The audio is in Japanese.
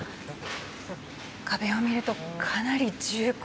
壁を見ると、かなり重厚。